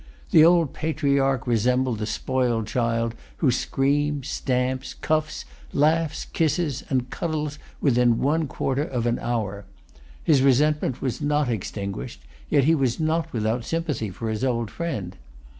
The old patriarch resembled the spoiled child who screams, stamps, cuffs, laughs, kisses, and cuddles within one quarter of an hour. His resentment was not extinguished; yet he was not without sympathy for his old friend.